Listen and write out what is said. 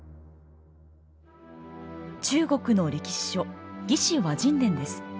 中国の歴史書「魏志倭人伝」です。